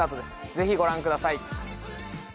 ぜひご覧ください！